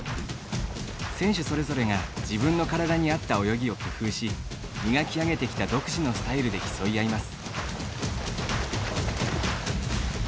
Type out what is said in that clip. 選手それぞれが自分の体にあった泳ぎを工夫し磨き上げてきた独自のスタイルで競い合います。